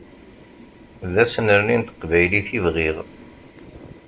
D asnerni n teqbaylit i bɣiɣ.